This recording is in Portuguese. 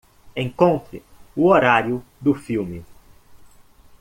Encontre o horário do filme.